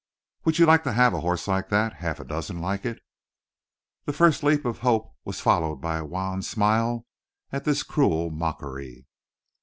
"Would you like to have a horse like that half a dozen like it?" The first leap of hope was followed by a wan smile at this cruel mockery.